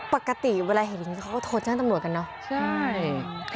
ปกติเวลาเห็นเขาก็โทรจ้างตำหน่วยกันเนอะใช่